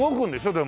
でも。